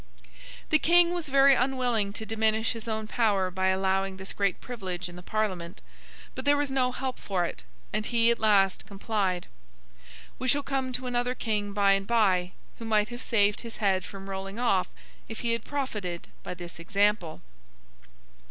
The King was very unwilling to diminish his own power by allowing this great privilege in the Parliament; but there was no help for it, and he at last complied. We shall come to another King by and by, who might have saved his head from rolling off, if he had profited by this example.